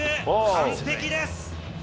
完璧です。